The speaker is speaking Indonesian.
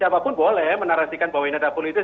siapapun boleh menarasikan bahwa ini adalah politis